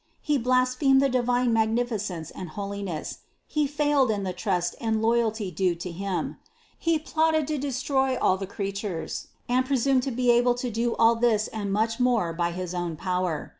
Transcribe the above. He blasphemed the di vine magnificence and holiness, he failed in the trust and loyalty due to Him; he plotted to destroy all the creatures, and presumed to be able to do all this and much more by his own power.